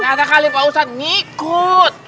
ternyata kali pak usat ngikut